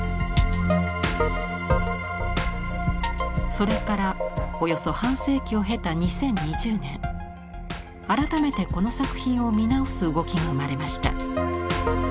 それからおよそ半世紀を経た２０２０年改めてこの作品を見直す動きが生まれました。